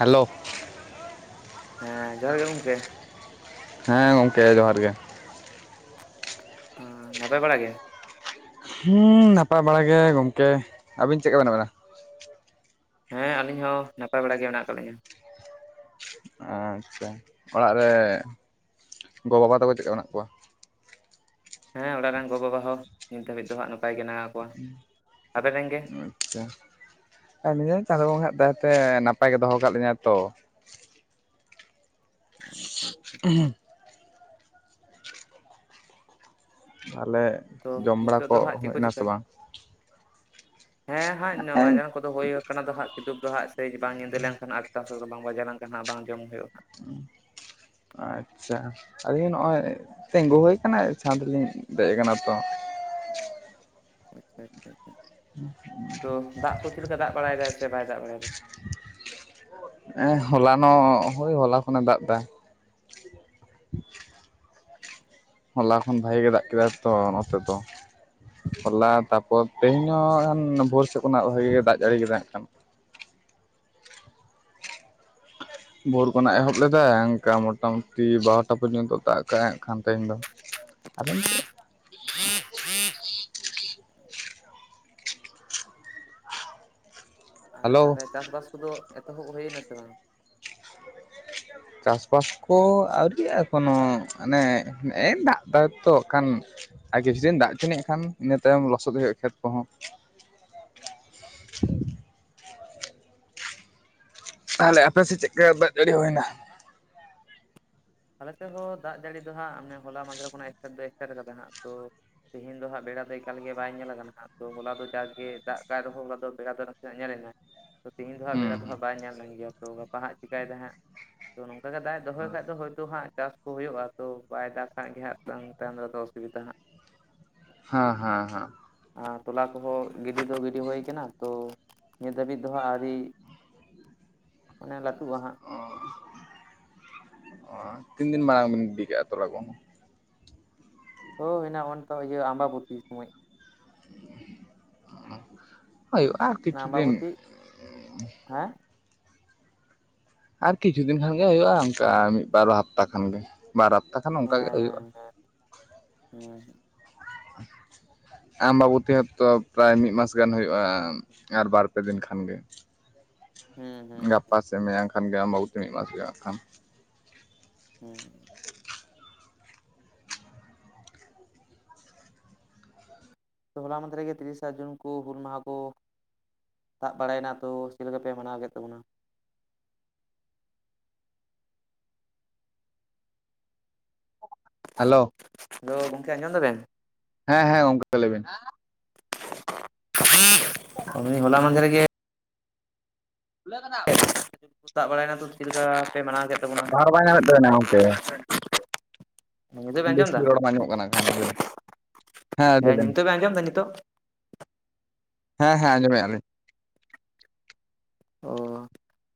Hello, ᱦᱮᱸ ᱡᱚᱦᱟᱨ ᱜᱮ ᱜᱚᱝᱠᱮ᱾ ᱦᱮᱸ ᱜᱚᱝᱠᱮ ᱡᱚᱦᱟᱨ ᱜᱮ᱾ ᱦᱮᱸ ᱱᱟᱯᱟᱭ ᱵᱟᱲᱟ ᱜᱮ? ᱦᱩᱸ ᱱᱟᱯᱟᱭ ᱵᱟᱲᱟ ᱜᱮ ᱜᱚᱢᱠᱮ, ᱟᱵᱤᱱ ᱪᱮᱫ ᱞᱮᱠᱟ ᱢᱮᱱᱟᱜ ᱵᱤᱱᱟ? ᱦᱮᱸ ᱟᱹᱞᱤᱧ ᱦᱚᱸ ᱱᱟᱯᱟᱭ ᱵᱟᱲᱟ ᱜᱮ ᱢᱮᱱᱟᱜ ᱟᱠᱟᱫ ᱞᱤᱧᱟ᱾ ᱟᱪᱷᱟ ᱚᱲᱟᱜ ᱨᱮ ᱜᱚ-ᱵᱟᱵᱟ ᱛᱟᱠᱚ ᱪᱮᱫ ᱞᱮᱠᱟ ᱢᱮᱱᱟᱜ ᱠᱚᱣᱟ? ᱦᱮᱸ ᱚᱲᱟᱜ ᱨᱮᱱ ᱜᱚᱼᱵᱟᱵᱟ ᱦᱚᱸ ᱱᱤᱛ ᱫᱷᱟᱹᱵᱤᱡ ᱫᱚ ᱦᱟᱸᱜ ᱱᱟᱯᱟᱭ ᱜᱮ ᱢᱮᱱᱟᱜ ᱟᱠᱟᱫ ᱠᱚᱣᱟ, ᱟᱵᱮᱱ ᱨᱮᱱ ᱜᱮ? ᱟᱪᱷᱟ ᱟᱞᱤᱧ ᱦᱚ ᱪᱟᱸᱫᱚ ᱵᱚᱸᱜᱟ ᱦᱟᱜ ᱫᱟᱭᱟ ᱛᱮ ᱱᱟᱯᱟᱭ ᱜᱮ ᱫᱚᱦᱚ ᱠᱟᱜ ᱞᱤᱧᱟᱭ ᱛᱚ᱾ [unintelligible] [unintelligible] ᱛᱟᱦᱚᱞᱮ ᱛᱚ ᱡᱚᱢ ᱵᱟᱲᱟ ᱱᱤᱛᱚᱜ ᱠᱚ ᱫᱚ ᱦᱟᱸᱜ ᱪᱮᱫ ᱦᱩᱭ ᱮᱱᱟ ᱥᱮ ᱪᱤᱠᱟ ᱵᱟᱝ? ᱦᱮᱸ ᱦᱟᱸᱜ ᱱᱚᱣᱟ ᱢᱟᱡᱟᱱ ᱠᱚ ᱫᱚ ᱫᱚ ᱦᱩᱭᱟ ᱟᱠᱟᱱᱟ ᱦᱟᱸᱜ ᱠᱤᱫᱩᱵ ᱫᱚ ᱦᱟᱸᱜ ᱥᱮᱭ ᱵᱟᱝ ᱧᱤᱫᱟᱹ ᱞᱮᱱᱠᱷᱟᱱ ᱟᱴᱴᱟ ᱥᱳᱨ ᱵᱟᱝ ᱵᱟᱡᱟᱣ ᱞᱮᱱᱠᱷᱟᱱ ᱦᱟᱸᱜ ᱵᱟᱝ ᱡᱚᱢ ᱦᱳᱭᱳᱜᱼᱟ᱾ ᱟᱪᱷᱟ ᱟᱹᱞᱤᱧ ᱦᱚᱸ ᱱᱚᱜᱚᱭ ᱛᱤᱸᱜᱩ ᱦᱩᱭᱩ ᱠᱟᱱᱟ ᱪᱷᱟᱛ ᱨᱤᱞᱤᱧ ᱫᱮᱡ ᱠᱟᱱᱟ ᱛᱚ᱾ ᱟᱪᱷᱟ ᱟᱪᱷᱟ ᱟᱪᱷᱟ, ᱛᱚ ᱫᱟᱜ ᱠᱚ ᱪᱮᱫ ᱞᱮᱠᱟᱭ ᱫᱟᱜ ᱵᱟᱲᱟᱭᱫᱟ ᱥᱮ ᱵᱟᱭ ᱫᱟᱜ ᱵᱟᱲᱟᱭᱫᱟ? ᱦᱮ ᱦᱚᱞᱟᱱᱚᱜ ᱦᱳᱭ ᱦᱚᱞᱟ ᱠᱷᱚᱱᱮ ᱫᱟᱜ ᱫᱟ᱾ [unintelligible] ᱦᱚᱞᱟ ᱠᱷᱚᱱ ᱵᱷᱟᱜᱮ ᱜᱮ ᱫᱟᱜ ᱠᱮᱫᱟᱭ ᱛᱚ ᱱᱚᱛᱮ ᱫᱚ᱾ ᱦᱚᱞᱟ ᱛᱟᱯᱚᱨ ᱛᱮᱦᱮᱧ ᱦᱚᱸ ᱵᱷᱳᱨ ᱥᱮᱫ ᱠᱷᱚᱱᱟᱜ ᱵᱷᱟᱜᱮ ᱜᱮ ᱫᱟᱜ ᱡᱟᱹᱲᱤ ᱠᱮᱫᱟ ᱦᱟᱸᱜ ᱠᱷᱟᱱ᱾ ᱵᱷᱳᱨ ᱠᱷᱚᱱᱟᱜ ᱮᱦᱚᱵ ᱞᱮᱫᱟᱭ ᱚᱱᱠᱟ ᱢᱚᱴᱟ ᱢᱩᱴᱤ ᱵᱟᱨᱚᱴᱟ ᱯᱚᱨᱡᱚᱱᱛᱚ ᱫᱟᱜ ᱠᱟᱜᱟᱭ ᱟᱠᱷᱟᱱ ᱛᱮᱦᱮᱧ ᱫᱚ᱾ ᱟᱫᱚ ᱱᱤᱛᱳᱜ ᱟᱨ ᱦᱮᱞᱳ ᱛᱟᱦᱚᱞᱮ ᱪᱟᱥ ᱵᱟᱥ ᱠᱚ ᱫᱚ ᱮᱛᱚᱦᱚᱵ ᱦᱩᱭ ᱱᱟᱥᱮ ᱵᱟᱝ? ᱪᱟᱥ ᱵᱟᱥ ᱠᱚ ᱟᱹᱣᱨᱤ ᱟᱜᱟ ᱮᱠᱳᱱᱳ ᱦᱟᱱᱮ ᱱᱮᱮ ᱫᱟᱜ ᱫᱟᱭ ᱛᱚ ᱠᱷᱟᱱ, ᱟᱨ ᱠᱤᱪᱷᱩ ᱫᱤᱱ ᱫᱟᱜ ᱦᱩᱪᱩᱱᱤᱜ ᱠᱷᱟᱱ ᱤᱱᱟᱹ ᱛᱟᱭᱚᱢ ᱞᱚᱥᱚᱫ ᱦᱩᱭᱩᱜᱼᱟ ᱠᱷᱮᱛ ᱠᱚ ᱦᱚᱸ᱾ ᱛᱟᱦᱟᱞᱮ ᱟᱯᱮ ᱥᱮᱫ ᱪᱮᱫ ᱠᱟ ᱫᱟᱜ ᱡᱟᱹᱲᱤ ᱦᱩᱭ ᱮᱱᱟ? ᱟᱞᱮ ᱥᱮᱫ ᱦᱚᱸ ᱫᱟᱜ ᱡᱟᱹᱲᱤ ᱫᱚ ᱦᱟᱸᱜ ᱢᱟᱱᱮ ᱦᱚᱞᱟ ᱢᱟᱸᱫᱷᱮᱨ ᱠᱷᱚᱱᱟᱜ ᱮᱥᱴᱟᱴ ᱫᱚ ᱮᱥᱴᱟᱴ ᱠᱟᱫᱟ ᱦᱟᱸᱜ, ᱛᱚ ᱛᱮᱦᱮᱧ ᱫᱚ ᱦᱟᱸᱜ ᱵᱮᱲᱟ ᱫᱚ ᱮᱠᱟᱞ ᱜᱮ ᱵᱟᱭ ᱧᱮᱞ ᱟᱠᱟᱱᱟ ᱛᱚ ᱦᱚᱞᱟ ᱫᱚ ᱡᱟᱠ ᱜᱮ ᱫᱟᱜ ᱠᱟᱜ ᱨᱮ ᱦᱚᱸ ᱦᱚᱞᱟ ᱫᱚ ᱵᱮᱲᱟ ᱫᱚ ᱱᱟᱥᱮᱱᱟᱜ ᱧᱮᱞ ᱞᱮᱱᱟᱭ᱾ ᱛᱚ ᱛᱮᱦᱮᱧ ᱫᱚ ᱦᱟᱸᱜ ᱵᱮᱲᱟ ᱫᱚ ᱦᱩᱸ ᱦᱟᱸᱜ ᱵᱟᱭ ᱧᱮᱞ ᱞᱮᱱ ᱜᱮᱭᱟ ᱛᱚ ᱜᱟᱯᱟ ᱦᱟᱸᱜ ᱪᱤᱠᱟᱹᱭ ᱫᱟᱭ ᱦᱟᱸᱜ᱾ ᱛᱚ ᱱᱚᱝᱠᱟ ᱜᱮ ᱫᱟᱜ ᱮ ᱫᱚᱦᱚᱭ ᱦᱩᱸ ᱠᱷᱟᱡ ᱫᱚᱭ ᱦᱳᱭ ᱛᱚ ᱦᱟᱸᱜ ᱪᱟᱥ ᱠᱚ ᱦᱳᱭᱳᱜᱼᱟ ᱛᱚ ᱵᱟᱭ ᱫᱟᱜ ᱠᱷᱟᱱ ᱜᱮ ᱦᱟᱸᱜ ᱛᱟᱭᱚᱢ ᱫᱟᱨᱟᱢ ᱫᱚ ᱚᱥᱩᱵᱤᱫᱟ ᱦᱟᱸᱜ᱾ ᱦᱩᱸ ᱦᱩᱸ ᱦᱩᱸ ᱟᱨ ᱛᱚᱞᱟ ᱠᱚ ᱦᱚᱸ ᱜᱤᱰᱤ ᱫᱚ ᱜᱤᱰᱤ ᱦᱳᱭ ᱠᱟᱱᱟ ᱛᱚ ᱱᱤᱛ ᱫᱷᱟᱹᱵᱤᱡ ᱫᱚ ᱦᱟᱸᱜ ᱟᱹᱣᱨᱤ ᱚᱱᱮ ᱞᱟᱹᱴᱩᱜᱼᱟ ᱦᱟᱸᱜ᱾ ᱚ ᱛᱤᱱ ᱫᱤᱱ ᱢᱟᱲᱟᱝ ᱵᱤᱱ ᱜᱤᱰᱤ ᱠᱟᱜᱼᱟ ᱛᱚᱞᱟ ᱠᱚ? ᱳ ᱦᱳᱭᱱᱟ ᱱᱚᱜᱟ ᱱᱤᱛᱚᱜ ᱤᱭᱟᱹ ᱟᱢᱵᱟᱵᱚᱛᱤ ᱥᱳᱢᱭᱡ ᱦᱳᱭᱳᱜᱼᱟ᱾ ᱚᱱᱟ ᱟᱢᱵᱟᱵᱚᱛᱤ ᱦᱮᱸ ᱟᱨ ᱠᱤᱪᱷᱩ ᱫᱤᱱ ᱠᱷᱟᱱᱜ ᱜᱮ ᱦᱩᱭᱩᱜᱼᱟ ᱚᱱᱠᱟ ᱢᱤᱫ ᱵᱟᱨ ᱦᱟᱯᱛᱟ ᱠᱷᱟᱱ ᱜᱮ, ᱵᱟᱨ ᱦᱟᱯᱛᱟ ᱠᱷᱟᱱ ᱱᱚᱝᱠᱟ ᱜᱮ ᱦᱮᱸ ᱦᱩᱭᱩᱜᱼᱟ᱾ ᱦᱮᱸ [unintelligible] ᱟᱢᱵᱟᱵᱩᱛᱤ ᱦᱚᱸ ᱛᱚ ᱯᱨᱟᱭ ᱢᱤᱫ ᱢᱟᱥ ᱜᱟᱱ ᱦᱩᱭᱩᱜᱼᱟ ᱟᱨ ᱵᱟᱨ ᱯᱮ ᱫᱤᱱ ᱠᱷᱟᱱ ᱜᱮ᱾ ᱦᱩᱸ ᱦᱩᱸ ᱜᱟᱯᱟ ᱥᱮ ᱢᱮᱭᱟᱝ ᱠᱷᱟᱱ ᱜᱮ ᱟᱢᱵᱟᱵᱩᱛᱤ ᱢᱤᱫ ᱢᱟᱥ ᱦᱩᱭᱩᱜ-ᱟ ᱟᱠᱷᱟᱱ᱾ ᱦᱩᱸ᱾ ᱛᱚ ᱦᱚᱞᱟ ᱢᱟᱫᱷᱮᱨ ᱜᱮ ᱛᱤᱨᱤᱥᱟ ᱡᱩᱱ ᱠᱚ ᱦᱩᱞ ᱢᱟᱦᱟ ᱠᱚ ᱛᱟᱵ ᱵᱟᱲᱟᱭ ᱮᱱᱟ ᱛᱚ ᱪᱮᱫ ᱞᱮᱠᱟ ᱯᱮ ᱢᱟᱱᱟᱣ ᱠᱮᱫ ᱛᱟᱵᱚᱱᱟ? ᱦᱮᱞᱳ ᱦᱮᱞᱳ ᱜᱚᱢᱠᱮ ᱟᱸᱡᱚᱱ ᱫᱟ ᱵᱮᱱ? ᱦᱮᱸ ᱦᱮᱸ ᱜᱚᱝᱠᱮ ᱞᱟᱹᱭ ᱵᱤᱱ᱾ ᱦᱚᱞᱟ ᱢᱟᱫᱷᱮᱨ ᱜᱮ [unintelligible] ᱫᱟᱜ ᱵᱟᱲᱟᱭᱮᱱᱟ ᱛᱚ ᱪᱮᱫ ᱞᱮᱠᱟ ᱯᱮ ᱢᱟᱱᱟᱣ ᱠᱮᱫ ᱛᱟᱵᱚᱱᱟ? ᱴᱟᱣᱟᱨ ᱵᱟᱭ ᱧᱟᱢᱮᱫ ᱛᱟ. ᱵᱤᱱᱟ ᱜᱚᱢᱠᱮ᱾ ᱱᱤᱛᱚᱜ ᱵᱮᱱ ᱟᱸᱡᱚᱢ ᱵᱮᱥᱤ ᱮᱫᱟ ᱨᱚᱲ ᱵᱟᱝ ᱟᱸᱡᱚᱢᱚᱜ ᱠᱟᱱᱟ ᱟᱠᱷᱟᱱ ᱟᱹᱵᱤᱱᱟᱜ ᱦᱮᱸ ᱞᱟᱹᱭ ᱵᱤᱱ, ᱱᱤᱛᱚᱜ ᱵᱮᱱ ᱟᱸᱡᱚᱢ ᱮᱫᱟ ᱱᱤᱛᱚᱜ ᱦᱮᱸᱻᱦᱮᱸᱻ ᱟᱸᱡᱚᱢᱮᱫᱟ ᱞᱤᱧ᱾ ᱚ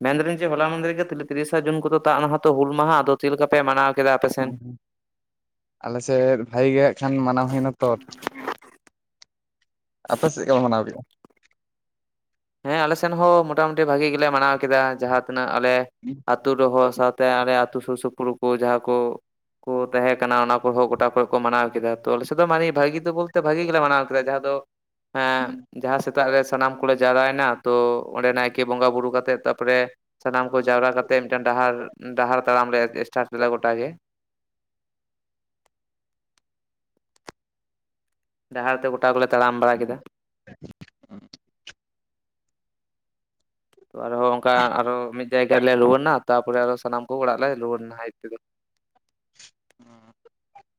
ᱢᱮᱱᱫᱟᱞᱤᱧ ᱡᱮ ᱦᱚᱞᱟ ᱢᱟᱦᱫᱮ ᱨᱮᱜᱮ ᱛᱤᱨᱤᱥᱟ ᱡᱩᱱ ᱠᱚᱫᱚ ᱛᱟᱜ ᱱᱟᱦᱚᱸ ᱦᱩᱞ ᱢᱟᱦᱟ ᱟᱫᱚ ᱪᱮᱫ ᱞᱮᱠᱟ ᱯᱮ ᱢᱟᱱᱟᱣ ᱠᱮᱫᱟ ᱟᱯᱮ ᱥᱮᱱ? ᱦᱮᱸ ᱟᱞᱮ ᱥᱮᱫ ᱵᱷᱟᱜᱤ ᱜᱮ ᱟᱠᱷᱟᱱ ᱢᱟᱱᱟᱣ ᱦᱩᱭᱮᱱᱟ ᱛᱚ᱾ ᱟᱯᱮ ᱪᱮᱫ ᱞᱮᱠᱟ ᱯᱮ ᱢᱟᱱᱟᱣ ᱠᱮᱫᱟ? ᱦᱮᱸ ᱟᱞᱮ ᱥᱮᱱ ᱦᱚᱸ ᱢᱚᱴᱟᱢᱩᱴᱤ ᱵᱷᱟᱜᱤ ᱜᱮᱞᱮ ᱢᱟᱱᱟᱣ ᱠᱮᱫᱟ ᱡᱟᱦᱟᱸ ᱛᱤᱱᱟᱹᱜ ᱟᱞᱮ [unintelligible] ᱟᱹᱛᱩ ᱨᱮᱦᱚ ᱥᱟᱶᱛᱮ ᱟᱞᱮ ᱟᱹᱛᱩ ᱥᱩᱨ ᱥᱩᱯᱩᱨ ᱠᱚ ᱡᱟᱦᱟᱸ ᱠᱚ ᱠᱚ ᱛᱟᱦᱮᱸ ᱠᱟᱱᱟ ᱚᱱᱟ ᱠᱚᱦᱚᱸ ᱜᱚᱴᱟ ᱢᱟᱱᱟᱣ ᱠᱮᱫᱟ ᱛᱚ ᱟᱞᱮᱥᱮᱫ ᱫᱚ ᱢᱟᱱᱮ ᱵᱷᱟᱹᱜᱤ ᱫᱚ ᱵᱚᱞᱛᱮ ᱵᱷᱟᱹᱜᱤ ᱜᱮᱞᱮ ᱢᱟᱱᱟᱣ ᱠᱮᱫ ᱡᱟᱦᱟᱸ ᱫᱚᱸ ᱡᱟᱦᱟᱸ ᱥᱮᱛᱟᱜ ᱨᱮ ᱥᱟᱱᱟᱢ ᱠᱚᱞᱮ ᱡᱟᱣᱟᱭᱮᱱᱟ, ᱛᱚ ᱚᱸᱰᱮ ᱱᱟᱭᱠᱮ ᱵᱚᱸᱜᱟ ᱵᱩᱨᱩ ᱠᱟᱛᱮᱜ ᱛᱟᱯᱚᱨᱮ ᱥᱟᱱᱟᱢ ᱠᱚ ᱡᱟᱣᱨᱟ ᱠᱟᱛᱮᱫ ᱢᱤᱫᱴᱟᱝ ᱰᱟᱦᱟᱨᱼᱰᱟᱦᱟᱨ ᱛᱟᱲᱟᱢ ᱞᱮ ᱮᱥᱴᱟᱨᱴ ᱠᱮᱫᱟ ᱜᱚᱴᱟ ᱜᱮ᱾ ᱰᱟᱦᱟᱨ ᱛᱮ ᱜᱚᱴᱟ ᱠᱚᱞᱮ ᱛᱟᱲᱟᱢ ᱵᱟᱲᱟ ᱠᱮᱫᱟ᱾ [unintelligible] ᱛᱚ ᱟᱨᱦᱚᱸ ᱚᱱᱠᱟ ᱟᱨᱦᱚᱸ ᱢᱤᱫ ᱡᱟᱭᱜᱟ ᱨᱮᱞᱮ ᱨᱩᱣᱟᱹᱲ ᱮᱱᱟ ᱛᱟᱨᱯᱚᱨᱮ ᱥᱟᱱᱟᱢ ᱠᱚ ᱚᱲᱟᱜ ᱞᱮ ᱨᱩᱣᱟᱹᱲᱮᱱᱟ ᱟ. ᱭᱩᱵ ᱛᱮᱫᱚ᱾ [unintelligible]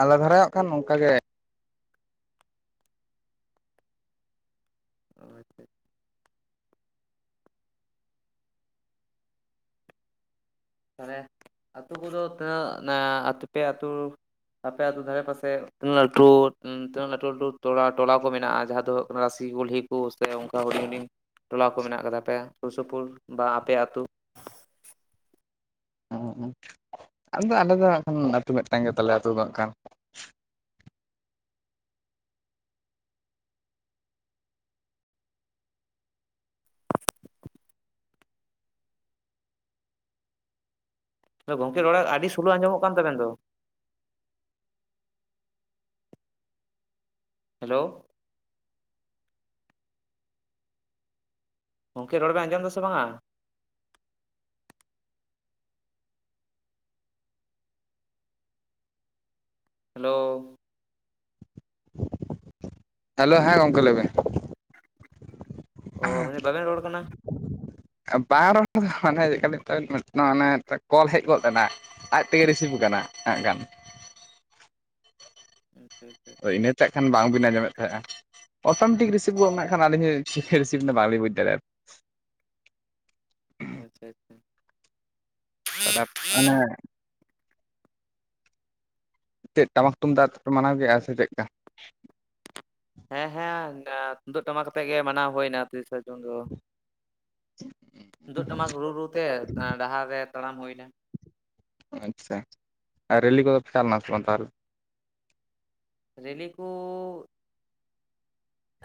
ᱟᱞᱮ ᱫᱷᱟᱨᱮ ᱦᱚ ᱟᱠᱷᱟᱱ ᱱᱚᱝᱠᱟ ᱜᱮ, [unintelligible] ᱛᱟᱦᱞᱮ ᱟᱹᱛᱩ ᱠᱚ ᱫᱚ ᱛᱤᱱᱟ. ᱜ ᱱᱟ ᱟᱻᱯᱮ ᱟᱹᱛᱩ ᱟᱯᱮ ᱟᱹᱛᱩ ᱫᱷᱟᱨᱮ ᱯᱟᱥᱮ ᱛᱤᱱᱟᱹᱜ ᱞᱟ. ᱴᱩᱼᱞᱟ. ᱴᱩ ᱴᱚᱞᱟ ᱠᱚ ᱢᱮᱱᱟᱜᱼᱟ ᱡᱟᱦᱟᱸ ᱫᱚ ᱨᱟ‌ᱹᱥᱤ ᱠᱩᱞᱦᱤ ᱠᱚ ᱥᱮ ᱚᱱᱠᱟ ᱦᱩᱰᱤᱧᱻᱦᱩᱰᱤᱧ ᱴᱚᱞᱟ ᱠᱚ ᱢᱮᱱᱟᱜ ᱟᱠᱟᱫᱟ ᱟᱯᱮᱭᱟ ᱥᱩᱨ ᱥᱩᱯᱩᱨ ᱵᱟ ᱟᱯᱮ ᱟᱹᱛᱩ ᱦᱸ ᱟᱫᱚ ᱟᱞᱮ ᱫᱚ ᱱᱟᱜ ᱠᱷᱟᱹᱱ ᱟᱹᱛᱩ ᱢᱤᱫᱴᱟᱝ ᱜᱮᱛᱟᱞᱮ ᱟᱹᱛᱩ ᱫᱚ ᱠᱷᱟ. ᱱ᱾ ᱜᱚᱝᱠᱮ ᱨᱚᱲᱮᱫ ᱟᱹᱰᱤ ᱥᱚᱞᱚ ᱟᱸᱡᱚᱢᱚᱜ ᱠᱟᱱ ᱛᱟᱵᱮᱱ ᱫᱚ᱾ ᱦᱮᱞᱳ ᱜᱚᱝᱠᱮ ᱨᱚᱲ ᱵᱮᱱ ᱟᱸᱡᱚᱢᱫᱟ ᱥᱮ ᱵᱟᱝᱼᱟ᱾ ᱦᱮᱞᱳᱣᱻ ᱛᱟᱦᱞᱮ ᱦᱮᱸ ᱜᱚᱢᱠᱮ ᱞᱟᱹᱭ ᱵᱤᱱ᱾ ᱚ ᱟᱹᱵᱤᱱ ᱵᱟᱵᱮᱱ ᱨᱚᱲ ᱠᱟᱱᱟ᱾ ᱵᱟ ᱨᱚᱲ ᱠᱚᱫᱚ ᱢᱟᱱᱮ ᱠᱟ. ᱴᱤᱡ ᱠᱚᱞ ᱦᱮᱡ ᱜᱚᱫᱞᱮᱱᱟ᱾ ᱟᱡ ᱛᱮᱜᱮ ᱨᱤᱥᱤᱵᱷ ᱟᱠᱟᱱᱟ ᱮᱸᱰᱮᱠᱷᱟᱱ᱾ ᱟᱪᱪᱷᱟ ᱯᱟᱞᱮᱜ ᱠᱷᱟᱱ ᱵᱟᱝᱵᱤᱱ ᱟᱸᱡᱚᱢᱮᱫ ᱛᱟᱦᱮᱸᱫᱼᱟ᱾ ᱚᱴᱳᱚᱢᱮᱴᱤᱠ ᱨᱤᱥᱤᱵᱚᱜ ᱜᱚᱜ ᱢᱮᱱ ᱠᱷᱟᱱ ᱟᱹᱞᱤᱧ ᱦᱚᱸ ᱨᱤᱥᱤᱵ ᱫᱚ ᱵᱟᱝᱞᱤᱧ ᱵᱩᱡᱽ ᱫᱟᱲᱮᱭᱟᱜᱼᱟ᱾ ᱟᱪᱪᱷᱟᱻ ᱟᱪᱪᱷᱟᱻ ᱠᱟᱛᱷᱟᱡ ᱚᱱᱮ ᱪᱮᱫ ᱴᱟᱢᱟᱠ ᱛᱩᱢᱫᱟᱜ ᱛᱮᱯᱮ ᱢᱟᱱᱟᱣᱮᱫᱼᱟ ᱥᱮ ᱪᱮᱫᱞᱮᱠᱟ? ᱦᱮᱸᱻ ᱦᱮᱸᱻ ᱛᱩᱢᱫᱟᱹᱜ ᱴᱟᱢᱟᱠᱟᱛᱮᱜ ᱜᱮ ᱢᱟᱱᱟᱣ ᱦᱩᱭᱮᱱᱟ ᱛᱤᱨᱤᱥᱟ ᱡᱩᱱ ᱫᱚ᱾ [inaudible] ᱛᱩᱢᱫᱟᱜ ᱴᱟᱢᱟᱠ ᱨᱩᱼᱨᱩ ᱛᱮ ᱰᱟᱦᱟᱨ ᱨᱮ ᱛᱟᱲᱟᱢ ᱦᱩᱭᱮᱱᱟ᱾ ᱟᱪᱪᱷᱟ ᱟᱨ ᱨᱮᱞᱤ ᱠᱚᱫᱚ ᱛᱟᱦᱮᱸ ᱞᱮᱱᱟ ᱥᱮ ᱵᱟᱝ ᱛᱟᱦᱚᱞᱮ᱾ ᱨᱮᱞᱤ ᱠᱚ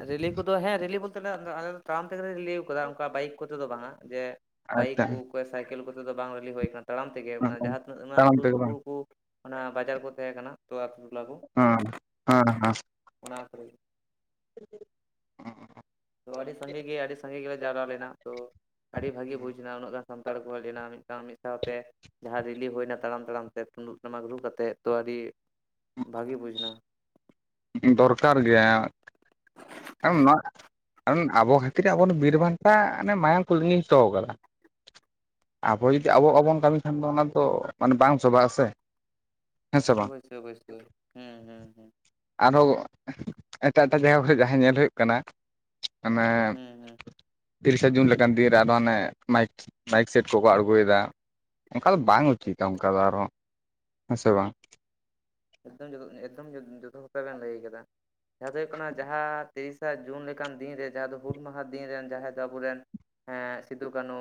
ᱨᱮᱤᱞᱤ ᱠᱚᱫᱚ ᱦᱮᱸ ᱨᱮᱞᱤ ᱵᱚᱞᱛᱮ ᱟᱞᱮ ᱛᱟᱲᱟᱢ ᱛᱮᱜᱮᱞᱮ ᱨᱤᱞᱤ ᱣᱟᱠᱟᱫᱟ ᱚᱱᱠᱟ ᱵᱟᱭᱤᱠ ᱠᱚᱛᱮᱫ ᱫᱚ ᱵᱟᱝᱼᱟ᱾ ᱡᱮ ᱵᱟᱭᱤᱠ ᱟᱪᱪᱷᱟ ᱠᱩ ᱚᱠᱚᱭ ᱥᱟᱭᱠᱮᱞ ᱠᱚᱛᱮᱫ ᱫᱚ ᱵᱟᱝ ᱨᱮᱞᱤ ᱦᱩᱭ ᱠᱟᱱᱟ᱾ ᱛᱟᱲᱟᱢ ᱛᱮᱜᱮ ᱠᱟᱱᱟ ᱡᱟᱦᱟᱸ ᱛᱤᱱᱟᱹᱜ ᱚᱱᱟ ᱛᱟᱲᱟᱢ ᱥᱩᱨᱼ ᱛᱮᱜᱮ ᱵᱟᱝ ᱥᱩᱯᱩᱨ ᱠᱚ ᱚᱱᱟ ᱵᱟᱡᱟᱨ ᱠᱚ ᱛᱟᱦᱮᱸ ᱠᱟᱱᱟ ᱛᱚ ᱟᱹᱛᱩ ᱴᱚᱞᱟ ᱠᱚ ᱦᱮᱸ ᱦᱮᱸ ᱚᱱᱟ ᱠᱚ ᱨᱮ [inaudible] ᱛᱚ ᱟᱹᱰᱤ ᱥᱟᱸᱜᱮ ᱜᱮ ᱟᱹᱰᱤ ᱥᱟᱸᱜᱮ ᱜᱮᱞᱮ ᱡᱟᱣᱨᱟ ᱞᱮᱱᱟ ᱛᱚ᱾ ᱟᱹᱰᱤ ᱵᱷᱟᱜᱤ ᱵᱩᱡᱽᱮᱱᱟ ᱩᱱᱟᱹᱜ ᱜᱟᱱ ᱥᱟᱱᱛᱟᱲ ᱠᱚ ᱦᱮᱡ ᱞᱮᱱᱟ ᱢᱤᱫᱴᱟᱝ ᱢᱤᱫ ᱥᱟᱶᱛᱮ᱾ ᱡᱟᱦᱟᱸ ᱨᱤᱞᱤ ᱦᱩᱭᱱᱟ ᱛᱟᱲᱟᱢ ᱛᱟᱲᱟᱢ ᱛᱮ ᱛᱩᱢᱫᱟᱹᱜ ᱴᱟᱢᱟᱠ ᱨᱩ ᱠᱟᱛᱮᱫ ᱛᱚ ᱟᱹᱰᱤ ᱵᱷᱟᱜᱤ ᱵᱩᱡᱽ ᱮᱱᱟ᱾ ᱫᱚᱨᱠᱟᱨ ᱜᱮᱭᱟᱼᱼᱼ ᱟᱵᱳ ᱠᱟᱨᱚᱱ ᱟᱵᱚ ᱠᱷᱟᱹᱛᱤᱨ ᱟᱵᱚ ᱵᱤᱨ ᱵᱟᱱᱴᱟ ᱦᱟᱱᱮ ᱢᱟᱭᱟᱢ ᱠᱚ ᱞᱤᱸᱜᱤᱧ ᱦᱚᱴᱚ ᱟᱠᱟᱫᱟ᱾ ᱟᱵᱚ ᱡᱩᱫᱤ ᱟᱵᱚ ᱵᱟᱵᱚᱱ ᱠᱟᱹᱢᱤ ᱠᱷᱟᱱ ᱫᱚ ᱚᱱᱟ ᱫᱚ ᱢᱟᱱᱮ ᱵᱟᱝ ᱥᱚᱵᱷᱟᱜᱼᱟ ᱥᱮ ᱦᱮᱸ ᱥᱮ ᱵᱟᱝ᱾ ᱚᱫᱚᱥᱳ ᱦᱮᱸ ᱦᱮᱸ ᱦᱮᱸ ᱟᱨᱦᱚᱸ ᱮᱴᱟᱜ ᱮᱴᱟᱜ ᱡᱟᱭᱜᱟ ᱠᱚᱨᱮ ᱡᱟᱦᱟ ᱧᱮᱞ ᱦᱩᱭᱩᱜ ᱠᱟᱱᱟ᱾ ᱢᱟᱱᱮ ᱦᱩᱸ ᱦᱩᱸ ᱛᱤᱨᱤ ᱥᱟ ᱡᱩᱱ ᱞᱮᱠᱟᱱ ᱫᱤᱱ ᱨᱮ ᱟᱨ ᱦᱚᱸ ᱦᱟᱱᱮ ᱢᱟᱭᱤᱠ ᱢᱟᱭᱤᱠ ᱥᱮᱴ ᱠᱚᱠᱚ ᱟᱲᱜᱳ ᱭᱮᱫᱟ᱾ ᱚᱱᱠᱟ ᱫᱚ ᱵᱟᱝ ᱩᱪᱤᱛᱟ ᱚᱱᱠᱟ ᱫᱚ ᱟᱨ ᱦᱚᱸ ᱦᱮᱸ ᱥᱮ ᱵᱟᱝ᱾ ᱮᱠᱫᱚᱢ ᱮᱠᱫᱚᱢ [unintelligible] ᱵᱮᱱ ᱞᱟᱹᱭ ᱟᱠᱟᱫᱟ ᱡᱟᱦᱟ ᱫᱚ ᱦᱩᱭᱩᱜ ᱠᱟᱱᱟ ᱡᱟᱦᱟ᱾ ᱛᱤᱨᱤ ᱥᱟ ᱡᱩᱱ ᱞᱮᱠᱟᱱ ᱫᱤᱱ ᱨᱮ ᱡᱟᱦᱟ ᱫᱚ ᱦᱩᱹᱞ ᱢᱟᱦᱟ ᱫᱤᱱ ᱨᱮᱱ ᱡᱟᱦᱟᱸᱭ ᱫᱚ ᱟᱵᱚ ᱨᱮᱱ ᱦᱮᱸ ᱥᱤᱫᱩ ᱠᱟᱹᱱᱩ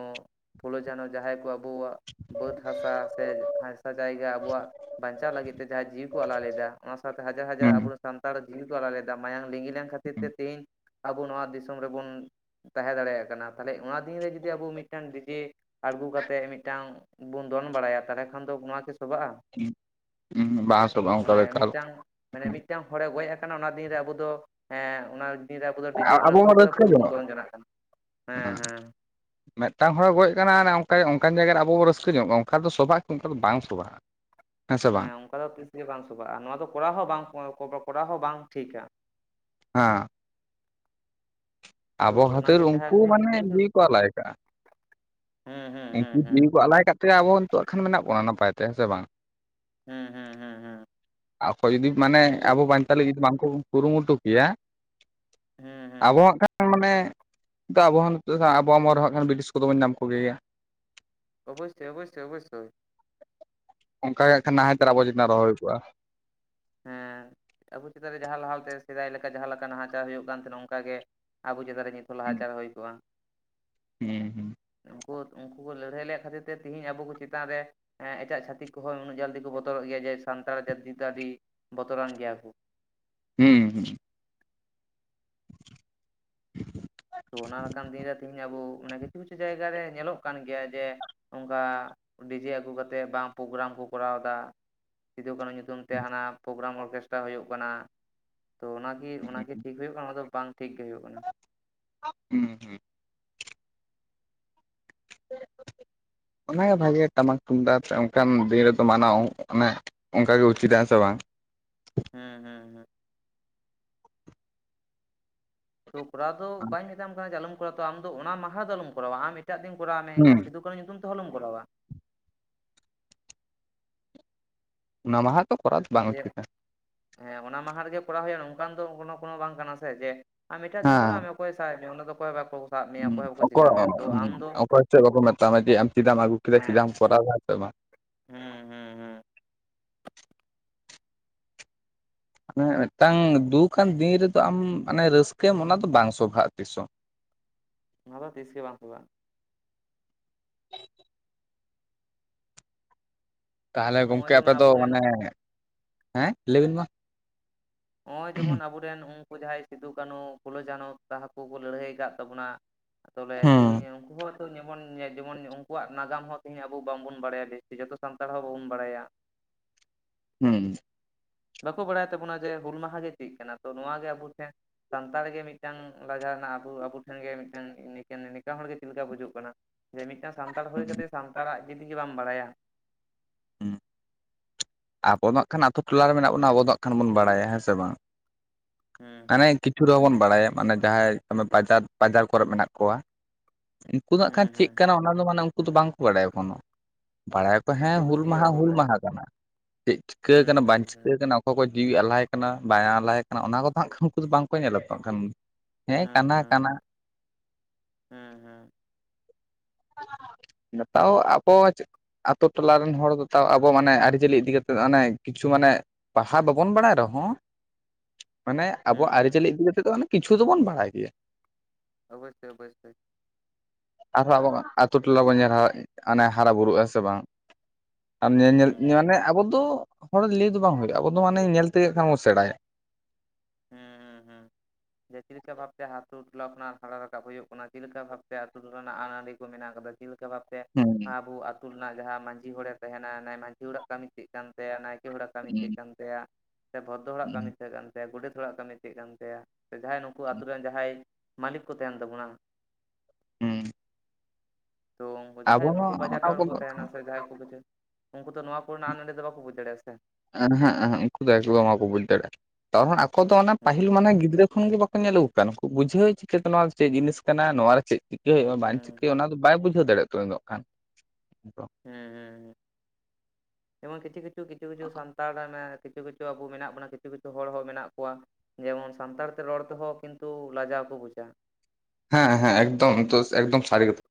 ᱯᱷᱩᱞᱳ ᱡᱷᱟᱱᱳ ᱡᱟᱦᱟᱸᱭ ᱠᱚ ᱟᱵᱚ ᱟᱵᱚᱣᱟᱜ ᱵᱟᱹᱫᱽ ᱦᱟᱥᱟ ᱥᱮ ᱦᱟᱥᱟ ᱡᱟᱭᱜᱟ ᱟᱵᱚᱣᱟᱜ ᱵᱟᱧᱪᱟᱣ ᱞᱟᱹᱜᱤᱫ ᱛᱮ ᱡᱤᱣᱤ ᱟᱞᱟᱭ ᱞᱮᱫᱟ ᱚᱱᱟ ᱥᱟᱶ ᱛᱮ ᱦᱟᱡᱟᱨ ᱦᱟᱡᱟᱨ ᱦᱩᱸ ᱟᱵᱚ ᱥᱟᱱᱛᱟᱲ ᱡᱤᱣᱤ ᱠᱚ ᱟᱞᱟᱭ ᱞᱮᱫᱟ ᱢᱟᱭᱟᱝ ᱞᱤᱸᱜᱤ ᱞᱮᱱ ᱠᱷᱟᱹᱛᱤᱨ ᱛᱮ ᱛᱤᱦᱤᱧ ᱟᱵᱚ ᱱᱚᱣᱟ ᱫᱤᱥᱚᱢ ᱨᱮ ᱵᱚᱱ ᱛᱟᱦᱮ ᱫᱟᱲᱮᱭᱟᱜ ᱠᱟᱱᱟ ᱛᱟᱦᱞᱮ ᱚᱱᱟ ᱫᱤᱱ ᱨᱮ ᱡᱩᱫᱤ ᱟᱵᱚ ᱢᱤᱫ ᱴᱟᱱ ᱰᱤᱡᱮ ᱟᱲᱜᱳ ᱠᱟᱛᱮᱫ ᱢᱤᱫ ᱴᱟᱝ ᱵᱩᱱ ᱫᱚᱱ ᱵᱟᱲᱟᱭᱟ ᱛᱟᱦᱞᱮ ᱠᱷᱟᱱ ᱫᱚ ᱱᱚᱣᱟ ᱠᱤ ᱥᱚᱵᱷᱟᱜᱼᱟ᱾ ᱩᱸ ᱵᱟᱥ ᱢᱟᱱᱮ ᱢᱤᱫ ᱴᱟᱝ ᱢᱟᱱᱮ ᱢᱤᱫ ᱴᱟᱝ ᱦᱚᱲᱮ ᱜᱚᱡ ᱟᱠᱟᱱᱟ ᱚᱱᱟ ᱫᱤᱱ ᱨᱮ ᱟᱵᱚ ᱫᱚ ᱮᱸᱜ ᱚᱱᱟ [unintelligible] ᱟᱵᱚ ᱫᱚ ᱰᱤᱡᱮ ᱵᱚᱱ ᱟᱵᱚ ᱟᱹᱜᱩ ᱟᱠᱟᱫᱟ ᱨᱟᱹᱥᱠᱟᱹ ᱯᱩᱨᱟᱹ ᱵᱚᱱ ᱡᱚᱝᱚᱜ ᱫᱚᱱ ᱡᱚᱱᱟᱜ ᱠᱟᱱᱟ ᱦᱮᱸ ᱦᱮᱸ ᱢᱮᱫᱴᱟᱝ ᱦᱚᱲ ᱮ ᱜᱚᱡ ᱟᱠᱟᱱᱟ ᱚᱱᱠᱟ ᱚᱱᱠᱟᱱ ᱡᱟᱭᱜᱟ ᱨᱮ ᱟᱵᱚ ᱵᱚ ᱨᱟᱹᱥᱠᱟ ᱧᱚᱜ-ᱚᱜ ᱠᱟᱱᱟ ᱚᱱᱠᱟ ᱫᱚ ᱥᱚᱵᱷᱟᱜ-ᱟ ᱠᱤ ᱚᱱᱠᱟ ᱫᱚ ᱵᱟᱝ ᱥᱚᱵᱷᱟᱜᱼᱟ ᱦᱮᱸ ᱥᱮ ᱵᱟᱝ? ᱚᱱᱠᱟ ᱫᱚ ᱛᱤᱥ ᱜᱮ ᱵᱟᱝ ᱥᱚᱵᱷᱟᱜᱼᱟ ᱱᱚᱣᱟ ᱫᱚ ᱠᱚᱨᱟᱣ ᱦᱚᱸ ᱵᱟᱝ ᱠᱚᱨᱟᱣ ᱦᱚᱸ ᱵᱟᱝ ᱴᱷᱤᱠᱟ ᱦᱮᱸ ᱛᱚ ᱟᱵᱚ ᱠᱷᱟᱹᱛᱤᱨ ᱚᱱᱟᱜᱮ ᱡᱟᱦᱟᱸ ᱩᱱᱠᱩ ᱦᱮᱸ ᱠᱤᱪᱷᱩ ᱢᱟᱱᱮ ᱠᱤᱪᱷᱩ ᱡᱤᱣᱤ ᱠᱚ ᱟᱞᱟᱭ ᱟᱠᱟᱜᱼᱟ ᱦᱩᱸ ᱦᱩᱸ ᱩᱱᱠᱩ ᱦᱩᱸ ᱦᱩᱸ ᱡᱤᱣᱤ ᱠᱚ ᱟᱞᱟᱭ ᱠᱟᱜ ᱛᱮ ᱟᱵᱚ ᱦᱚᱸ ᱱᱤᱛᱚᱜ ᱟᱠᱷᱟᱱ ᱢᱮᱱᱟᱜ ᱵᱚᱱᱟ ᱱᱟᱯᱟᱭ ᱛᱮ ᱦᱮᱸ ᱥᱮ ᱵᱟᱝ? ᱦᱩᱸ ᱦᱩᱸ ᱦᱩᱸ ᱦᱩᱸ ᱟᱠᱚ ᱡᱩᱫᱤ ᱢᱟᱱᱮ ᱩᱱᱠᱩ ᱟᱵᱚ ᱵᱟᱧ ᱛᱟᱦᱞᱮ ᱡᱩᱫᱤ ᱵᱟᱝ ᱠᱚ ᱠᱩᱨᱩ ᱢᱩᱴᱩ ᱠᱮᱭᱟ ᱦᱩᱸ ᱦᱩᱸ ᱟᱵᱚ ᱟᱠᱷᱟᱱ ᱢᱟᱱᱮ ᱟᱵᱚ ᱦᱚᱸ ᱱᱤᱛᱚᱜ ᱫᱚ ᱟᱵᱚᱣᱟᱜ ᱟᱢᱚᱞ ᱨᱮ ᱦᱚᱸ ᱵᱨᱤᱴᱤᱥ ᱠᱚᱫᱚ ᱵᱚᱱ ᱧᱟᱢ ᱠᱚ ᱜᱮᱭᱟ ᱚᱵᱚᱥᱥᱳᱭ ᱚᱵᱚᱥᱥᱳᱭ ᱚᱵᱚᱥᱥᱳᱭ ᱚᱱᱠᱟ ᱜᱮ ᱦᱟᱸᱜ ᱠᱷᱟᱱ ᱱᱟᱦᱟᱪᱟᱨ ᱛᱮᱦᱤᱧ ᱟᱵᱚ ᱪᱮᱛᱟᱱ ᱨᱮ ᱦᱚ ᱦᱩᱭ ᱠᱚᱜᱼᱟ ᱦᱮᱸ ᱟᱵᱚ ᱪᱮᱛᱟᱱ ᱨᱮ ᱡᱟᱦᱟ ᱞᱟᱦᱟ ᱛᱮ ᱥᱮᱫᱟᱭ ᱞᱮᱠᱟ ᱡᱟᱦᱟ ᱞᱮᱠᱟ ᱱᱟᱦᱟᱪᱟᱨ ᱦᱩᱭᱩᱜ ᱠᱟᱱ ᱛᱟᱦᱮᱱᱟ ᱚᱱᱠᱟ ᱜᱮ ᱟᱵᱚ ᱪᱮᱛᱟᱱ ᱨᱮ ᱱᱤᱛ ᱦᱚᱸ ᱱᱟᱦᱟᱪᱟᱨ ᱦᱩᱭ ᱠᱚᱜᱼᱟ ᱦᱩᱸ ᱦᱩᱸ ᱩᱱᱠᱩ ᱩᱱᱠᱩ ᱠᱚ ᱞᱟᱹᱲᱦᱟᱹᱭ ᱞᱮᱫ ᱠᱷᱟᱹᱛᱤᱨ ᱛᱮ ᱛᱤᱦᱤᱧ ᱟᱵᱚ ᱠᱚ ᱪᱮᱛᱟᱱ ᱨᱮ ᱮᱸᱜ ᱮᱴᱟᱜ ᱪᱷᱟᱹᱛᱤᱠ ᱠᱚᱦᱚᱸ ᱩᱱᱟᱹᱜ ᱡᱟᱞᱫᱤ ᱠᱚ ᱵᱚᱛᱚᱨᱚᱜ ᱜᱮᱭᱟ ᱡᱮ ᱥᱟᱱᱛᱟᱲ ᱡᱟᱹᱛᱤ ᱫᱚ ᱟᱹᱰᱤ ᱵᱚᱛᱚᱨᱟᱱ ᱜᱮᱭᱟ ᱠᱚ ᱦᱩᱸᱦᱩᱸ [inaudible] ᱛᱚ ᱚᱱᱟ ᱞᱮᱠᱟᱱ ᱫᱤᱱ ᱨᱮ ᱛᱤᱦᱤᱧ ᱟᱵᱚ ᱚᱱᱟᱜᱮ ᱠᱤᱪᱷᱩ ᱠᱤᱪᱷᱩ ᱡᱟᱭᱜᱟ ᱨᱮ ᱧᱮᱞᱚᱜ ᱠᱟᱱ ᱜᱮᱭᱟ ᱡᱮ ᱚᱱᱠᱟ ᱰᱤᱡᱮ ᱟᱹᱜᱩ ᱠᱟᱛᱮᱫ ᱵᱟᱝ ᱯᱨᱳᱜᱨᱟᱢ ᱠᱚ ᱠᱚᱨᱟᱣ ᱫᱟ ᱥᱤᱫᱩ ᱠᱟᱹᱱᱩ ᱧᱩᱛᱩᱢ ᱧᱩᱛᱩᱢ ᱛᱮ ᱦᱟᱱᱟ ᱯᱨᱳᱜᱨᱟᱢ ᱚᱨᱜᱮᱥᱴᱟᱨ ᱦᱳᱭᱳᱜ ᱠᱟᱱᱟ ᱛᱚ ᱚᱱᱟ ᱜᱮ ᱚᱱᱟ ᱜᱮ ᱴᱷᱤᱠ ᱦᱳᱭᱳᱜ ᱠᱟᱱᱟ ᱚᱱᱟ ᱫᱚ ᱵᱟᱝ ᱴᱷᱤᱠ ᱜᱮ ᱦᱳᱭᱳᱜ ᱠᱟᱱᱟ ᱦᱮᱸ ᱦᱮᱸ ᱚᱱᱟᱜᱮ ᱵᱷᱟᱜᱮᱭᱟ ᱴᱟᱢᱟᱠ ᱛᱩᱢᱫᱟᱜ ᱟᱛᱮ ᱚᱱᱠᱟᱱ ᱫᱤᱱ ᱨᱮᱫᱚ ᱢᱟᱱᱟᱣ ᱚᱱᱮ ᱚᱱᱠᱟᱜᱮ ᱩᱪᱤᱫᱟ ᱦᱮᱸ ᱥᱮ ᱵᱟᱝ? ᱦᱮᱸ ᱦᱮᱸ ᱦᱮᱸ ᱛᱚ ᱠᱚᱨᱟᱣ ᱫᱚ ᱵᱟᱹᱧ ᱢᱮᱛᱟᱢ ᱠᱟᱱᱟ ᱡᱮ ᱟᱞᱚᱢ ᱠᱚᱨᱟᱣ ᱛᱚ ᱟᱫᱚ ᱚᱱᱟ ᱢᱟᱦᱟ ᱫᱚ ᱟᱞᱚᱢ ᱠᱚᱨᱟᱣᱟ ᱟᱢ ᱮᱴᱟᱜ ᱫᱤᱱ ᱠᱚᱨᱟᱣ ᱢᱮ ᱦᱩᱸ ᱮᱱᱠᱷᱟᱱ ᱥᱤᱫᱩ ᱠᱟᱱᱩ ᱧᱩᱛᱩᱢ ᱛᱮ ᱦᱚᱸ ᱟᱞᱳᱢ ᱠᱚᱨᱟᱣᱟ ᱚᱱᱟ ᱢᱟᱦᱟ ᱫᱚ ᱠᱚᱨᱟᱣ ᱫᱚ ᱵᱟᱝ ᱡᱮ ᱩᱪᱤᱫᱟ ᱦᱮᱸ ᱚᱱᱟ ᱢᱟᱦᱟ ᱨᱮᱜᱮ ᱠᱚᱨᱟᱣ ᱦᱩᱭᱩᱜᱼᱟ ᱱᱚᱝᱠᱟᱱ ᱫᱚ ᱠᱳᱱᱳ ᱠᱳᱱᱳ ᱵᱟᱝ ᱠᱟᱱᱟ ᱥᱮ ᱡᱮ ᱟᱢ ᱮᱴᱟᱜ ᱫᱤᱱ ᱠᱚᱨᱟᱣ ᱢᱮ ᱚᱠᱚᱭ ᱥᱟᱦᱟᱡᱡᱚ ᱚᱱᱟ ᱫᱚ ᱚᱠᱚᱭ ᱦᱚᱸ ᱵᱟᱠᱚ ᱥᱟᱵ ᱢᱮᱭᱟ ᱦᱩᱸ ᱚᱠᱚᱭ ᱪᱤᱠᱟ ᱢᱮᱭᱟ ᱛᱚ ᱟᱢ ᱫᱚ ᱚᱠᱚᱭ ᱪᱮᱫ ᱵᱟᱠᱚ ᱢᱮᱛᱟᱢᱟ ᱡᱮ ᱟᱢ ᱪᱮᱫᱟᱜ ᱮᱢ ᱟᱹᱜᱩ ᱠᱮᱫᱟ ᱪᱮᱫᱟᱜ ᱮᱢ ᱠᱚᱨᱟᱣ ᱫᱟ ᱦᱮᱸᱥᱮ ᱵᱟᱝ ᱦᱮᱸ ᱦᱮᱸ ᱦᱮᱸ ᱢᱟᱱᱮ ᱢᱤᱫᱴᱟᱝ ᱫᱩᱠᱟᱱ ᱫᱤᱱ ᱨᱮᱫᱚ ᱟᱢ ᱢᱟᱱᱮ ᱨᱟᱹᱥᱠᱟᱹᱭᱟᱢ ᱚᱱᱟ ᱫᱚ ᱵᱟᱝ ᱥᱚᱵᱷᱟᱜᱼᱟ ᱛᱤᱥ ᱦᱚᱸ ᱚᱱᱟ ᱫᱚ ᱛᱤᱥ ᱜᱮ ᱵᱟᱝ‌ ᱥᱚᱵᱷᱟᱜ-ᱟ ᱛᱟᱞᱦᱮ ᱛᱚ ᱱᱚᱜᱼᱚᱭ ᱜᱚᱝᱠᱮ ᱟᱯᱮ ᱡᱮᱢᱚᱱ ᱫᱚ ᱟᱵᱚᱨᱮᱱ ᱚᱱᱮ ᱦᱮᱸ ᱞᱟᱹᱭᱵᱤᱱ ᱢᱟ ᱱᱚᱜᱼᱚᱭ ᱡᱮᱢᱚᱱ ᱟᱵᱚ ᱨᱮᱱ ᱩᱱᱠᱩ ᱡᱟᱦᱟᱸᱭ ᱥᱤᱫᱩᱼ ᱠᱟᱹᱱᱩ ᱯᱷᱩᱞᱳ ᱡᱷᱟᱱᱚ ᱛᱟᱠᱚ ᱠᱚ ᱞᱟᱹᱲᱦᱟᱹᱭ ᱟᱠᱟᱫ ᱛᱟᱵᱚᱱᱟ ᱟᱫᱚᱞᱮ ᱦᱩᱸ ᱛᱮᱦᱤᱧ ᱩᱱᱠᱩ ᱦᱚᱸ ᱡᱮᱢᱚᱱ ᱡᱮᱢᱚᱱ ᱩᱱᱠᱩᱣᱟᱜ ᱱᱟᱜᱟᱢ ᱦᱚᱸ ᱛᱮᱦᱤᱧ ᱟᱵᱚ ᱵᱟᱝᱵᱚᱱ ᱵᱟᱲᱟᱭᱟ ᱵᱮᱥ ᱛᱮ ᱡᱚᱛᱚ ᱥᱟᱱᱛᱟᱲ ᱦᱚᱸ ᱵᱟᱵᱚᱱ ᱵᱟᱲᱟᱭᱟ ᱦᱩᱸ ᱵᱟᱠᱚ ᱵᱟᱲᱟᱭ ᱛᱟᱵᱚᱱᱟ ᱡᱮ ᱦᱩᱞ ᱢᱟᱦᱟ ᱜᱮ ᱪᱮᱫ ᱠᱟᱱᱟ ᱛᱚ ᱱᱚᱣᱟᱜᱮ ᱟᱵᱚ ᱴᱷᱮᱱ ᱥᱟᱱᱛᱟᱲ ᱜᱮ ᱢᱤᱫᱴᱟᱝ ᱞᱟᱡᱟ ᱨᱮᱱᱟᱜ ᱟᱵᱚ ᱟᱵᱚ ᱴᱷᱮᱱ ᱜᱮ ᱢᱤᱫᱴᱟᱱ ᱱᱤᱝᱠᱟᱹᱱ ᱱᱤᱝᱠᱟᱹᱱ ᱦᱚᱲᱜᱮ ᱪᱮᱫ ᱞᱮᱠᱟ ᱵᱩᱡᱩᱜ ᱠᱟᱱᱟ ᱡᱮ ᱢᱤᱫᱴᱟᱝ ᱥᱟᱱᱛᱟᱲ ᱦᱩᱭ ᱠᱟᱛᱮᱫ ᱥᱟᱱᱛᱟᱲᱟᱜ ᱪᱤᱫ ᱜᱮ ᱵᱟᱢ ᱵᱟᱲᱟᱭᱟ ᱦᱩᱸ ᱟᱵᱚ ᱫᱚ ᱦᱟᱸᱜ ᱠᱷᱟᱱ ᱟᱛᱩ ᱴᱚᱞᱟ ᱨᱮ ᱢᱮᱱᱟᱜ ᱵᱚᱱᱟ ᱟᱵᱚ ᱫᱚ ᱦᱟᱸᱜ ᱠᱷᱟᱱ ᱵᱚᱱ ᱵᱟᱲᱟᱭᱟ ᱦᱮᱸ ᱥᱮ ᱵᱟᱝ ᱦᱩᱸ ᱢᱟᱱᱮ ᱦᱩᱸ ᱠᱤ ᱠᱤᱪᱷᱩ ᱫᱚ ᱵᱚᱱ ᱵᱟᱲᱟᱭᱟ ᱢᱟᱱᱮ ᱡᱟᱦᱟᱸᱭ ᱫᱚᱢᱮ ᱵᱟᱡᱟᱨ ᱵᱟᱡᱟᱨ ᱠᱚᱨᱮ ᱢᱮᱱᱟᱜ ᱠᱚᱣᱟ ᱩᱱᱠᱩ ᱫᱚ ᱦᱟᱸᱜ ᱦᱩᱸ ᱠᱷᱟᱱ ᱪᱮᱫ ᱦᱩᱸ ᱠᱟᱱᱟ ᱦᱩᱸ ᱚᱱᱟ ᱫᱚ ᱢᱟᱱᱮ ᱩᱱᱠᱩ ᱫᱚ ᱵᱟᱝᱠᱚ ᱵᱟᱲᱟᱭᱟ ᱠᱳᱱᱳ ᱵᱟᱲᱟᱭᱟᱠᱚ ᱦᱮᱸ ᱩᱱᱠᱩ ᱫᱚ ᱦᱩᱞ ᱪᱮᱫ ᱜᱮ ᱢᱟᱦᱟ ᱵᱟᱠᱚ ᱦᱩᱞ ᱵᱟᱲᱟᱭᱟ ᱢᱟᱦᱟ ᱠᱟᱱᱟ ᱪᱮᱫ ᱪᱤᱠᱟᱹ ᱦᱩᱸ ᱠᱟᱱᱟ ᱦᱩᱸ ᱵᱟᱝ ᱪᱤᱠᱟᱹ ᱦᱩᱸ ᱠᱟᱱᱟ ᱠᱟᱱᱟ ᱚᱠᱚᱭ ᱠᱚ ᱡᱤᱣᱤ ᱟᱞᱟᱭ ᱠᱟᱱᱟ ᱵᱟᱭ ᱟᱞᱟᱭ ᱠᱟᱱᱟ ᱚᱱᱟ ᱠᱚᱫᱚ ᱦᱟᱸᱜ ᱠᱷᱟᱱ ᱩᱱᱠᱩ ᱫᱚ ᱵᱟᱝ ᱠᱚ ᱧᱮᱞᱟ ᱛᱚ ᱠᱷᱟᱱ ᱦᱮᱸ ᱠᱟᱱᱟ ᱦᱮᱸ ᱠᱟᱱᱟ ᱦᱮᱸ ᱦᱮᱸ ᱦᱮᱸ [inaudible] ᱱᱮᱛᱟᱣ ᱟᱵᱚ ᱟᱛᱳ ᱴᱚᱞᱟ ᱨᱮᱱ ᱦᱚᱲ ᱫᱚ ᱛᱟᱣ ᱟᱵᱚ ᱢᱟᱱᱮ ᱟᱹᱨᱤᱪᱟᱹᱞᱤ ᱤᱫᱤ ᱠᱟᱛᱮ ᱚᱱᱮ ᱠᱤᱪᱷᱩ ᱢᱟᱱᱮ ᱯᱟᱲᱦᱟᱣ ᱵᱟᱵᱚᱱ ᱵᱟᱲᱟᱭ ᱨᱮᱦᱚᱸ ᱢᱟᱱᱮ ᱦᱩᱸ ᱟᱵᱚᱣᱟᱜ ᱦᱩᱸ ᱦᱩᱸ ᱟᱹᱨᱤᱪᱟᱹᱞᱤ ᱤᱫᱤ ᱠᱟᱛᱮᱜ ᱫᱚ ᱠᱤᱪᱷᱩ ᱫᱚᱵᱚᱱ ᱵᱟᱲᱟᱭ ᱜᱮᱭᱟ ᱚᱵᱚᱥᱥᱳᱭ ᱚᱵᱚᱥᱥᱳᱭ ᱟᱨᱦᱚᱸ ᱟᱵᱚ ᱟᱛᱳ ᱴᱚᱞᱟ ᱵᱚᱱ ᱧᱮᱞ ᱦᱟᱨᱟ ᱦᱟᱱᱮ ᱦᱟᱨᱟ ᱵᱩᱨᱩᱜ-ᱟ ᱥᱮ ᱵᱟᱝ ᱟᱨ ᱧᱮᱞ ᱦᱩᱸ ᱦᱩᱸ ᱧᱮᱞ ᱢᱟᱱᱮ ᱟᱵᱚ ᱫᱚ ᱦᱚᱲ ᱞᱟᱹᱭ ᱫᱚ ᱵᱟᱝ ᱦᱤᱭᱳᱜᱼᱟ ᱟᱵᱚ ᱫᱚ ᱢᱟᱱᱮ ᱧᱮᱞ ᱛᱮ ᱜᱮ ᱠᱷᱟᱱ ᱵᱚᱱ ᱥᱮᱸᱬᱟᱭᱟ ᱦᱩᱸ ᱦᱩᱸ ᱦᱩᱸ [inaudible] ᱡᱮ ᱪᱮᱫ ᱞᱮᱠᱟ ᱵᱷᱟᱵ ᱛᱮ ᱟᱹᱛᱩ ᱴᱚᱞᱟ ᱠᱷᱚᱱᱟᱜ ᱦᱟᱨᱟ ᱨᱟᱠᱟᱵ ᱦᱩᱭᱩᱜ ᱠᱟᱱᱟ ᱪᱮᱫ ᱞᱮᱠᱟ ᱵᱷᱟᱵᱛᱮ ᱟᱹᱛᱩ ᱴᱚᱞᱟ ᱨᱮᱱᱟᱜ ᱟᱹᱱᱟᱲᱤ ᱠᱚ ᱢᱮᱱᱟᱜ ᱟᱠᱟᱫᱟ ᱪᱮᱫᱮ ᱞᱮᱠᱟ ᱵᱷᱟᱵᱛᱮ ᱦᱩᱸ ᱟᱵᱩ ᱟᱹᱛᱩ ᱨᱮᱱᱟᱜ ᱡᱟᱦᱟᱸ ᱢᱟᱺᱡᱷᱤ ᱦᱚᱲᱮ ᱛᱟᱦᱮᱸᱱᱟ ᱢᱟᱹᱡᱷᱤ ᱦᱚᱲᱟᱜ ᱠᱟᱹᱢᱤ ᱪᱮᱫ ᱠᱟᱱ ᱛᱟᱭᱟ ᱱᱟᱭᱠᱮ ᱦᱚᱲᱟᱜ ᱠᱟᱹᱢᱤ ᱪᱮᱫ ᱦᱩᱸ ᱠᱟᱱ ᱛᱟᱭᱟ ᱛᱟᱭᱟ ᱥᱮ ᱵᱷᱚᱫᱽᱫᱚ ᱦᱚᱲᱟᱜ ᱠᱟᱹᱢᱤ ᱦᱩᱸ ᱛᱟᱦᱮᱸ ᱠᱟᱱ ᱛᱟᱭᱟ ᱜᱚᱰᱮᱛ ᱦᱚᱲᱟᱜ ᱠᱟᱹᱢᱤ ᱪᱮᱫ ᱠᱟᱱ ᱛᱟᱭᱟ ᱥᱮ ᱡᱟᱦᱟᱸᱭ ᱱᱩᱠᱩ ᱟᱛᱳ ᱨᱮᱱ ᱡᱟᱦᱟᱸᱭ ᱢᱟᱞᱤᱠ ᱠᱚ ᱛᱟᱦᱮᱱ ᱛᱟᱵᱚᱱᱟ ᱦᱩᱸ ᱛᱚ ᱩᱱᱠᱩ ᱟᱵᱚ ᱡᱟᱦᱟᱸᱭ ᱩᱱᱠᱩ ᱦᱚᱸ ᱵᱟᱡᱟᱨ ᱚᱱᱟ ᱴᱟᱣᱩᱱ ᱨᱮ ᱠᱚ ᱠᱚᱫᱚ ᱛᱟᱦᱮᱱᱟ ᱥᱮ ᱡᱟᱦᱟᱸᱭ ᱠᱚ ᱯᱟᱪᱮᱫ ᱩᱱᱠᱩ ᱫᱚ ᱱᱚᱣᱟ ᱠᱚ ᱨᱮᱱᱟᱜ ᱟᱹᱱ ᱟᱹᱱᱟᱲᱤ ᱫᱚ ᱵᱟᱠᱚ ᱵᱩᱡᱽ ᱫᱟᱲᱮᱭᱟᱜᱼᱟ ᱥᱮ ᱮᱦᱸᱮᱜ ᱮᱦᱸᱮᱜ ᱩᱱᱠᱩ ᱫᱚ ᱮᱠᱫᱚᱢ ᱵᱟᱠᱚ ᱵᱩᱡ ᱫᱟᱲᱮᱭᱟᱜᱼᱟ ᱛᱟᱣᱦᱚᱸ ᱟᱠᱚ ᱫᱚ ᱦᱩᱸ ᱯᱟᱹᱦᱤᱞ ᱢᱟᱱᱮ ᱜᱤᱫᱽᱨᱟᱹ ᱠᱷᱚᱱ ᱜᱮ ᱵᱟᱠᱚ ᱧᱮᱞ ᱟᱹᱜᱩ ᱠᱟᱜ-ᱟ ᱱᱩᱠᱩ ᱵᱩᱡᱷᱟᱹᱣ ᱪᱤᱠᱟᱹ ᱛᱮ ᱱᱚᱣᱟ ᱫᱚ ᱪᱮᱫ ᱡᱤᱱᱤᱥ ᱠᱟᱱᱟ ᱱᱚᱣᱟ ᱨᱮ ᱪᱮᱫ ᱪᱤᱠᱟᱹᱭ ᱦᱩᱭᱩᱜᱼᱟ ᱵᱟᱝ ᱦᱩᱸ ᱪᱤᱠᱟᱹᱭᱟ ᱚᱱᱟ ᱫᱚ ᱵᱟᱭ ᱵᱩᱡᱷᱟᱹᱣ ᱫᱟᱲᱮᱭᱟᱜ-ᱟ ᱛᱚ ᱱᱩᱭᱫᱚ ᱟᱠᱷᱟᱱ ᱦᱩᱸ ᱦᱩᱸ ᱡᱮᱢᱚᱱ ᱠᱤᱪᱷᱩ ᱠᱤᱪᱷᱩ ᱠᱤᱪᱷᱩ ᱠᱤᱪᱷᱩ ᱥᱟᱱᱛᱟᱲ ᱦᱟᱱᱮ ᱠᱤᱪᱷᱩ ᱠᱤᱪᱷᱩ ᱠᱤᱪᱷᱩ ᱟᱵᱚ ᱢᱮᱱᱟᱜ ᱵᱚᱱᱟ ᱠᱤᱪᱷᱩ ᱠᱤᱪᱷᱩ ᱦᱚᱲ ᱦᱚᱸ ᱢᱮᱱᱟᱜ ᱠᱚᱣᱟ ᱡᱮᱢᱚᱱ ᱥᱟᱱᱛᱟᱲ ᱛᱮ ᱨᱚᱲ ᱛᱮᱦᱚᱸ ᱠᱤᱱᱛᱩ ᱞᱟᱡᱟᱣ ᱠᱚ ᱵᱩᱡᱟ ᱦᱮᱸ ᱦᱮᱸ ᱮᱠᱫᱚᱢ ᱱᱤᱛᱚᱜ ᱮᱠᱫᱚᱢ ᱥᱟᱨᱤ ᱠᱟᱛᱷᱟ